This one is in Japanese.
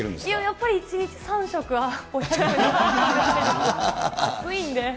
やっぱり１日３食は、暑いんで。